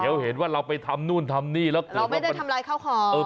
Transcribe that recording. เดี๋ยวเห็นว่าเราไปทำนู่นทำนี่แล้วกันเราไม่ได้ทำลายข้าวของ